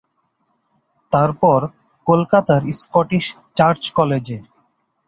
তারপর কলকাতার Scottish church কলেজে।